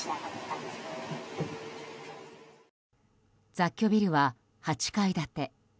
雑居ビルは８階建て。